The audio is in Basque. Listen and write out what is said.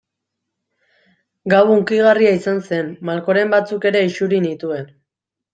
Gau hunkigarria izan zen, malkoren batzuk ere isuri nituen.